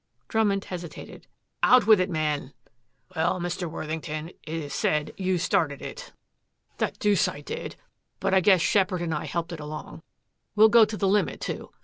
Drummond hesitated. "Out with it, man." "Well, Mr. Worthington, it is said you started it." "The deuce I did. But I guess Sheppard and I helped it along. We'll go the limit, too.